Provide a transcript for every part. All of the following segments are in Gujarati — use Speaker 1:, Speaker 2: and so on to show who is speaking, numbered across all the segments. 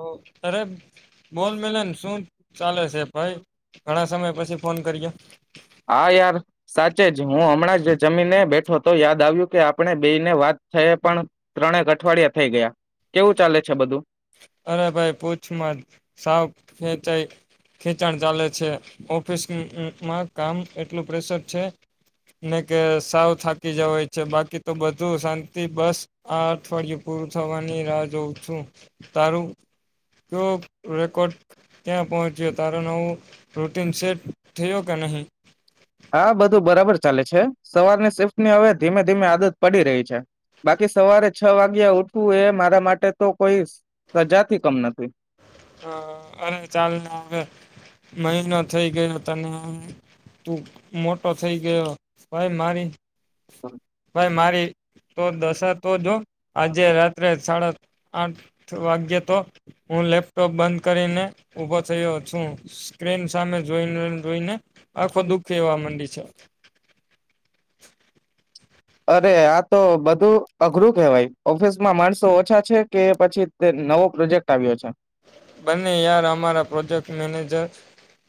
Speaker 1: ઓહ અરે બોલ મેલન શું ચાલે છે ભાઈ ઘણા સમય પછી ફોન કરીએ
Speaker 2: હા યાર સાચે જ હું હમણાં જ જમીને બેઠો હતો યાદ આવ્યું કે આપણે બેને વાત થઈ પણ ત્રણેક અઠવાડિયા થઈ ગયા કેવું ચાલે છે બધું
Speaker 1: અરાભાઈ પૂછમાં સાવ ખેચાઈ ખેચાણ ચાલે છે ઓફિસમાં કામ એટલું પ્રેશર છે ને કે સાવ થાકી જવાય છે બાકી તો બધું શાંતિ બસ આ અઠવાડિયે પૂરું થવાની રાહ જોઉં છું તારું જો રેકોર્ડ ત્યાં પહોંચ્યો તારો નવું રૂટીન સેટ થયો કે નહીં
Speaker 2: હા બધું બરાબર ચાલે છે સવારની શિફ્ટની હવે ધીમે ધીમે આદત પડી રહી છે બાકી સવારે છ વાગ્યા ઉઠવું એ મારા માટે તો કોઈ સજાથી કમ નથી
Speaker 1: હ અરે ચાલને હવે મહિનો થઈ ગયો તને તું મોટો થઈ ગયો ભાઈ મારી ભાઈ મારી તો દશા તો જો આજે રાત્રે સાડા આઠ વાગ્યે તો હું લેપ્ટ બંધ કરીને ઉઊભો થયો છું સ્ક્રીન સામે જોઈનેને જોઈને આખો દુઃખી એવા માંડી છે
Speaker 2: અરે આ તો બધું અઘરું કહેવાય ઓફિસમાં માણસો ઓછા છે કે પછી તે નવો પ્રોજેક્ટ આવ્યો છે
Speaker 1: બંને યાર અમારા પ્રોજેક્ટ મેનેજર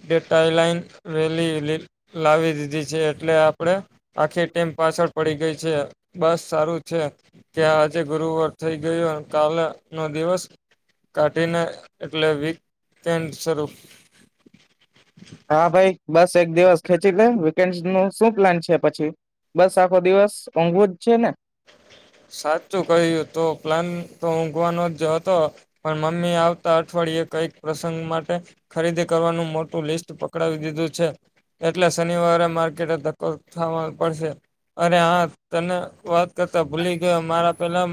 Speaker 1: ડેટા લાઈન રેલી લાવી દીધી છે એટલે આપણે આખી ટીમ પાછળ પડી ગઈ છે બસ સારું છે કે આજે ગુરુવર થઈ ગયું તાને નો દિવસ કા [unintelligible] એટલે [unintelligible] [inaudible]
Speaker 2: હા ભાઈ બસ એક દિવસ ખેચી લે વીકેન્ડ નું શું પ્લાન છે પછી, બસ આખો દિવસ ઊંઘું જ છે ને?
Speaker 1: સાચું કહ્યું તો પ્લાન તો ઊંઘવાનો જ હતો, પણ મમ્મી એ આવતા અઠવાડિયે કઈક પ્રસંગ માટે ખરીદી કરવાનું મોટું લિસ્ટ પકડાવી દીધું છે. એટલે શનિવારે માર્કેટ ધક્કો થવા પડશે અને આ તને વાત [inaudible] મારા પેલા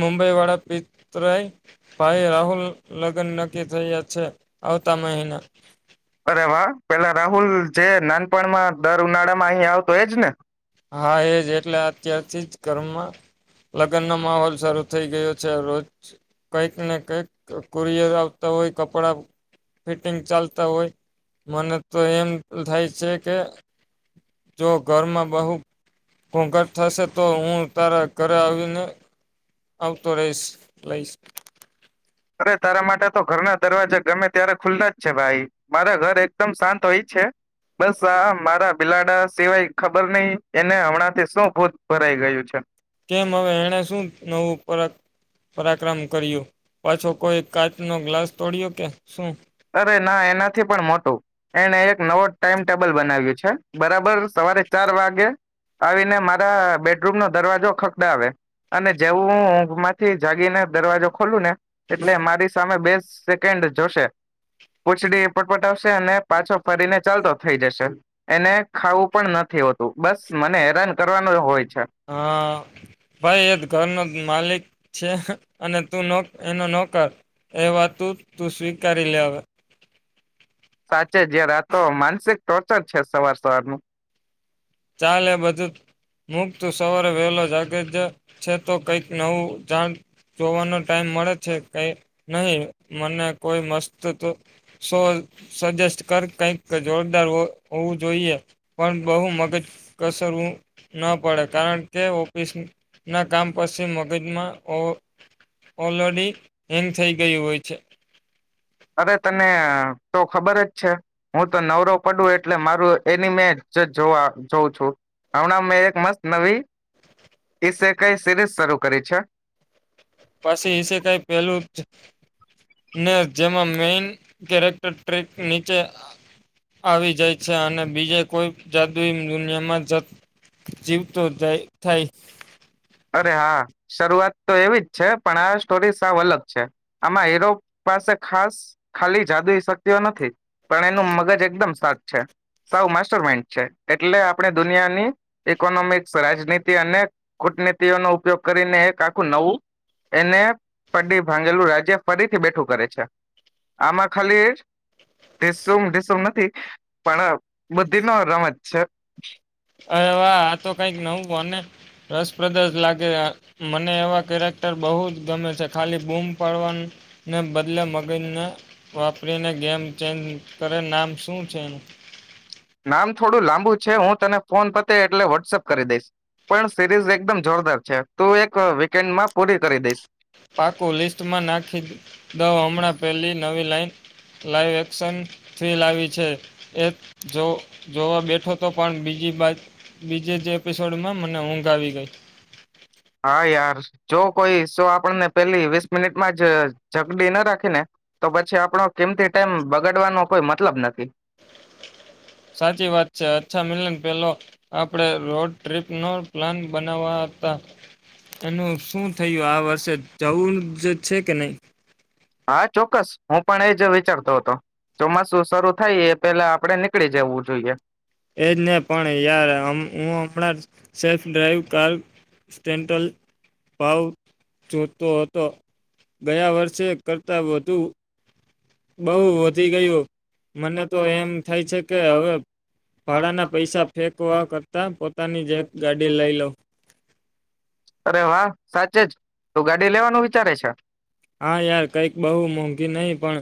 Speaker 1: મુંબઈ વાળા પિતરાય ભાઈ રાહુલ લગ્ન નક્કી થયા છે આવતા મહિના
Speaker 2: અરે વા પેલા રાહુલ જે નાનપણમાં દર ઉનાળા માં અહીં આવતો એજ ને
Speaker 1: હા એજ એટલે અત્યારથી જ ઘરમાં લગ્ન ન માહોલ શાર થઈ ગયો છે રોજ કઈક ને કઈક કુરિયર આવતા હોય કપડા ફિટિંગ ચાલતા હોય મને તો એમ થાય છે કે જો ઘરમાં બહુ ઘોઘટ થશે તો હું તારા ઘરે આવીને આવતો રહીશ લઈશ
Speaker 2: અરે તારા માટે તો ઘરના દરવાજા ગમે ત્યારે ખુલ્લા જ છે ભાઈ મારા ઘર એકદમ શાંત હોય છે બસ આ મારા બિલાડા સિવાય ખબર નહીિ એને હમણાં થી શું ભૂત ભરાઈ ગયું છે
Speaker 1: કેમ હવે એણે શું નવું પરાક્રમ કર્યું પાછો કોઈ કાચ નો ગ્લાસ તોડ્યો કે શું
Speaker 2: અરે ના એનાથી પણ મોટું એને એક નવો ટાઈમ ટેબલ બનાવ્યું છે બરાબર સવારે ચાર વાગે આવીને મારા બેડરૂમ નો દરવાજો ખકડાવે અને જેવું માંથી જાગીને દરવાજો ખોલું ને એટલે મારી સામે બેસ્ટ સેકન્ડ જોશે. પૂછડી પટપટ આવશે અને પાછો ફરીને ચાલતો થઈ જશે, એને ખાવું પણ નથી હોતું બસ મને હેરાન કરવાનું હોય છે.
Speaker 1: હા ભાઈ એ ઘરનો માલિક છે, અને તું ન એનો નોકર, એવા તું તું સ્વીકારી લે અવે.
Speaker 2: સાચે જય રાતો માનસિક ટોર્ચર છે સવાર સવારનું.
Speaker 1: ચાલે એ બધું મુક્ત સવારે વહેલો જાગે જ છે તો કઈક નવું જાણ જોવાનો ટાઈમ મળે છે કઈ નહી મને કોઈ મસ્ત શો સજેસ્ટ કર કંઈક જોરદાર હોવું જોઈએ. પણ બહુ મગજ કસરવું ન પડે કારણ કે ઓફિસ ના કામ પછી મગજમાં ઓલરેડી એમ થઈ ગયું હોય છે.
Speaker 2: અરે તને તો ખબર જ છે હું તો નવરવ પડું એટલે મારું એની મે જ જોવા જોઉં છું હમણાં મેં એક મસ્ત નવી ઈસે કઈ સિરીઝ શરૂ કરી છે.
Speaker 1: પછી એષ કઈ પેલું ને જેમાં મેઈન કેરેક્ટર ટ્રેક નીચે આવી જાય છે અને બીજે કોઈ જાદુ દુનિયામાં જ તો જાય થાય
Speaker 2: અરે હા શરૂઆત તો એવી જ છે પણ આ સ્ટોરી સાવ અલગ છે આમાં હીરો પાસે ખાસ ખાલી જાદુઈ શક્તિઓ નથી પણ એનું મગજ એકદમ શાર્પ છે સાવ માસ્ટર માઈન્ડ છે્ એટલે આપણે દુનિયાની ઇકોનોમિક્સ રાજનીતિ અને કૂટનીતિઓ નો ઉપયોગ કરીને એક આખું નવું એને પડી ભાંગેલું રાજ્ય ફરીથી બેઠું કરે છે આમાં ખાલી ધીસુમ ધીસુમ નથી પણ બુદ્ધિ નો રમત છે.
Speaker 1: અરે વાહ આ તો કઈક નવું કોને રસ દસ દસ લાગે આ મને એવા કેરેક્ટર બહુ જ ગમે છે ખાલી બૂમ પાડવાને બદલે મગજને વાપરીને ગેમ ચેન્જ કરે નામ શું છે એનું
Speaker 2: નામ થોડું લાંબુ છે હું તને ફોન પતે એટલે વોટ્સઅપ કરી દઈશ પણ સીરીઝ એકદમ જોરદાર છે તું એક વીકેન્ડમાં પૂરી કરી દઈશ
Speaker 1: પાકુ લિસ્ટમાં નાખી દવ હમણાં પહેલી નવી લાઈઇન લાઈવ એક્શન થિલ આવી છે એ જો જોવા બેઠો તો પણ બીજ બાજુ બીજી જ એપિસોડ માં ને ઊંઘ આવી ગઈ.
Speaker 2: હા યાર જો કોઈ શો આપણને પેલી વીસ મિનિટમાં જ જકડી ન રાખે ને, તો પછી આપણો કિંમતી ટાઈમ બગાડવાનો કોઈ મતલબ નથી.
Speaker 1: સાચી વાત છે. [unintelligible] મિલન પહેલો આપણે રોડ ટ્રીપનો પ્લાન બનાવવા હતા. એનું શું થયું, આ વર્ષે જવું જ છે કે નહી?
Speaker 2: હા ચોક્કસ હું પણ એજ વિચારતો હતો. ચોમાસું શરૂ થાય એ પેલા આપડે નીકળી જવું જોઈએ.
Speaker 1: એજ ને, પણ યાર અમ હું હમણાં સેલ્ફ ડ્રાઈવ કાર સેન્ટલ ભાવ જોતો હતો. ગયા વર્ષે કરતા વધુ બહુ વધી ગયું, મને તો એમ થાય છે કે હવે ભાડાના પૈસા ફેંકવા કરતા પોતાની જ એક ગાડી લઈ લઉં.
Speaker 2: અરે વાહ, સાચે જ. તું ગાડી લેવાનો વિચારે છે?
Speaker 1: હા યાર. કંઈક બહુ મોંઘી નહીં, પણ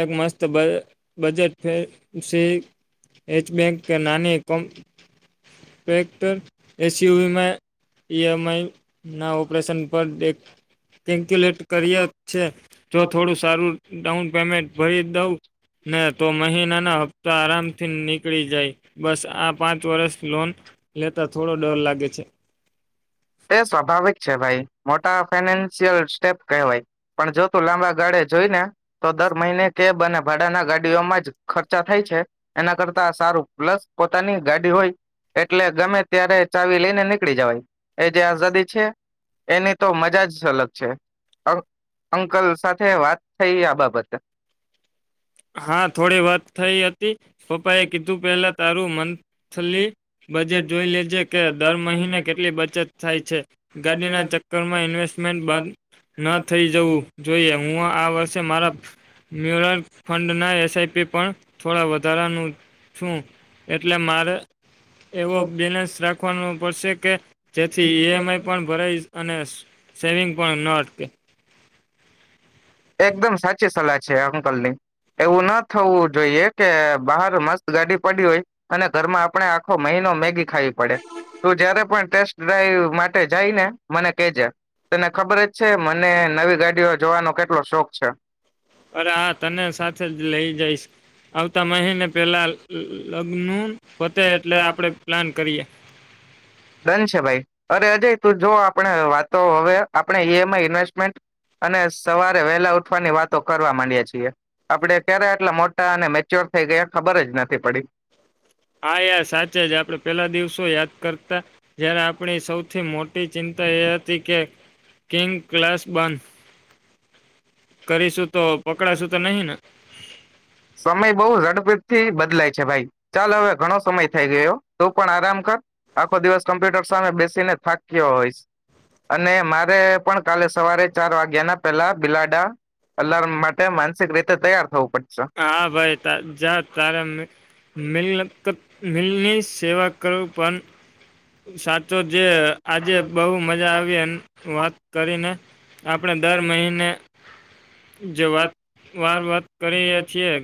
Speaker 1: એક મસ્ત બ બજેટ [unintelligible] બેંક નાની ટેક્ટર એસીીયવીમાં ઇ એમઆઈ ના ઓપરેશન પર એક કેલ્ક્યુલેટ કરીએ છે જો થોડું સારું ડાઉન પેમેન્ટ ભરી દઉં ને તો મહિનાના હપ્તા આરામથી નીકળી જાય બસ આ પાંચ વર્ષ લોન લેતા થોડો ડર લાગે છે
Speaker 2: તે સ્વાભાવિક છે ભાઈ મોટા ફાઈનાન્શિયલ સ્ટેપ કહેવાય પણ જો તું લાંબા ગાળે જોઈને તો દર મહિને કેબ અને ભાડાના ગાડીઓમાં જ ખર્ચા થાય છે એના કરતા સારું પ્લસ પોતાની ગાડી હોય એટલે ગમે ત્યારે ચાવી લઈને નીકળી જવાય એ જે આઝાદી છે એની તો મજા જ અલગ છે અંકલ સાથે વાત થઈ આ બાબત
Speaker 1: હા થોડી વાત થઈ હતી પપ્પાએ કીધું પહેલા તારું મંથલી બજેટ જોઈ લેજે કે દર મહિને કેટલી બચત થાય છે ગાડીના ચક્કરમાં ઇન્વેસ્ટમેન્ટ ન થઈ જવું જોઈએ હું આ વર્ષે મારા ન્યુયોર્ક ના એસઆઈપી પણ થોડા વધારાનું છું એટલે મારે એવો બેલેન્સ રાખવાનો પડશે કે જેથી ઈએમ આઈ પણ ભરાઈ અને સેવિંગ પણ ન અટકે
Speaker 2: એકદમ સાચી સલાહ છે અંકલની એવું ના થવું જોઈએ કે બહાર મસ્ત ગાડી પડી હોય અને ઘરમાં આપણે આખો મહિનો મેગી ખાવી પડે તું જયારે પણ ટેસ્ટ ડ્રાઈવ માટે જઈ ને મને કેજે તને ખબર જ છે મને નવી ગાડીઓ જોવાનો હા શોખ છે.
Speaker 1: અરે હા તને સાથે જ લઈ જઈશ. આવતા મહિને પેલા લગ્ન પતે એટલે આપણેે પ્લાન કરીએ.
Speaker 2: ડન છે ભાઈ. અરે અજય તું જો આપણે વાતો હવે આપણે ઈ એમ આઈ ઇન્વેસ્ટમેન્ટ અને સવારે વહેલા ઉઠવાની વાતો કરવા માંડીયે છીએ. આપડે ક્યારે આટલા મોટા અને મેચ્યોર થઈ ગયા ખબર જ નથી પડી.
Speaker 1: હા યાર સાચે જ આપડણે પેલા દિવસો યાદ કરતા જ્યારે આપણી સૌથી મોટી ચિંતા એ હતી કે કિંગ ક્લાસબન
Speaker 2: સમય બહુ ઝડપી થી બદલાય છે. ભાઈ ચાલ હવે ઘણો સમય થઈ ગયો તું પણ આરામ કર આખો દિવસ કોમ્પ્યુટર સામે બેસીને થાક્યો હોયશ અને મારે પણ કાલે સવારે ચાર વાગ્યા ના પેલા બિલાડા અલાર્મ માટે માનસિક રીતે તૈયાર થવું પડ.
Speaker 1: હા ભાઈ તા જા તારા મલ [inaudible] મિલની સેવા કરો પણ સાચો જે આજે બહુ મજા આવી એમ વાત કરીને આપણે દર મહિને જે વાત વાર વાત કરીએ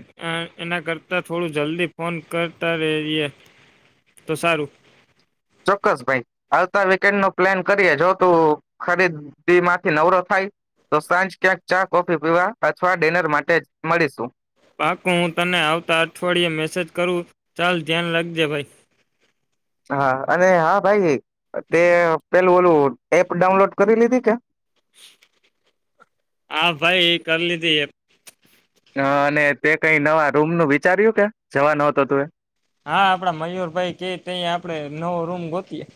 Speaker 1: [unintelligible] એના કરતાં થોડું જલ્દી ફોન કર કરતા રઈએ તો સારું.
Speaker 2: ચોક્કસ ભાઈ આવતા વીકેન્ડ નો પ્લાન કરીએ જો તું ખરીદીમાંથી નવરો થાય તો સાંજ ક્યાંક ચા કોફી પીવા અથવા ડિનર માટે જ મળીશું.
Speaker 1: પાકો હું તને આવતા અઠવાડિયે મેસેજ કરું. ચાલ ધ્યાન રાખજે ભાઈ.
Speaker 2: હા અને હા ભાઈ તે પેલું ઓલું એપ ડાઉનલોડ કરી લીધી કે?
Speaker 1: હા ભાઈ કરી લીધી એ.
Speaker 2: હા અને તે કઈ નવા રૂમ નું વિચાર્યું કે જવાનોતો તું એ?
Speaker 1: હા આપડા મયુરભાઈ કે તઈ આપડે નવો રૂમ ગોતીએ.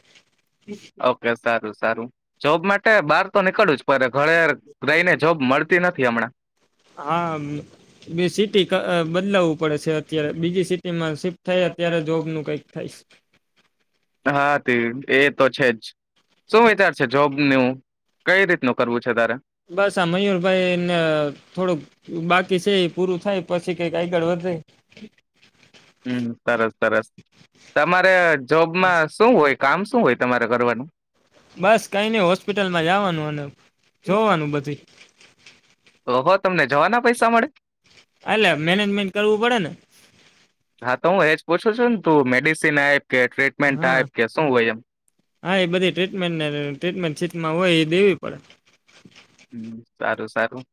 Speaker 2: ઓકે સારું. સારું. જોબ માટે બાર તો નીકળવું જ પડે. ઘરે રહીને જોબ મળતી મળતી નથી હમણાં.
Speaker 1: હા બેસી ટીકા અ બદલાવવું પડે છે અત્યારે બીજી સિટીમાં શિફ્ટ થાય અત્યારે જોબ નું કઈક થાઈશ.
Speaker 2: હા તે તો છે જ. શું વિચાર છે? જોબ [unintelligible] કઈ રીત નું કરવું? છે તારે
Speaker 1: બસ આ મયુરભાઈને થોડુંક બાકી છે. એ પૂરું થાય પછી કંઈક આગળ વધાય.
Speaker 2: હમ સરસ સરસ તમારે જોબમાં શું હોય કામ શું હોય તમારે કરવાનું
Speaker 1: બસ કઈ નઈ હોસ્પિટલમાં જવાનું અને જોવાનું બછી
Speaker 2: તો હો તમને જવાના પૈસા મળે
Speaker 1: એટલે મેનેજમેન્ટ કરવું પડે ને
Speaker 2: હા તો હું એજ પૂછું છ તું મેડીસન એપ
Speaker 1: હા હા એ બધી ટ્રીટમેન્ટને ટ્રીટમેન્ટ સીટમાં હોય એ દેવી પડે હ
Speaker 2: હ સારું સારું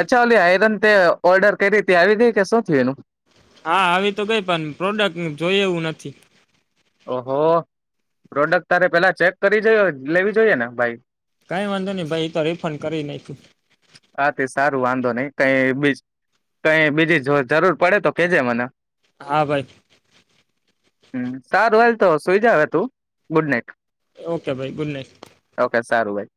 Speaker 2: અચ્છા ઓલી આયરન તે ઓર્ડર કરી ત્યા આવી દે કે શું થયું એનું
Speaker 1: હા આવી તો કઈ પણ પ્રોડક્ટ જોય એવું નથી
Speaker 2: ઓહો પ્રોડક્ટ તારે પેલા ચેક કરી જો લેવી જોઈએ ને ભાઈ
Speaker 1: કઈ વાંધો નહી ભાઈ એ તો રિફંડ કરી ન છું
Speaker 2: હા તે સારું વાંધો નહીિ કઈ બી કઈ બીજી જો જરૂર પ કે મ
Speaker 1: હા ભાઈ
Speaker 2: હમ સારું હાલ તો સુઈ જા હવે તું, ગુડ નાઈટ.
Speaker 1: ઓકે ભાઈ ગુડ નાઇટ
Speaker 2: ઓકે સારું ભાઈ